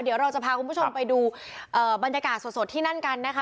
เดี๋ยวเราจะพาคุณผู้ชมไปดูบรรยากาศสดที่นั่นกันนะคะ